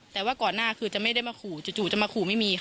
แต่ว่าก่อนหน้าคือจะไม่ได้มาขู่จู่จะมาขู่ไม่มีค่ะ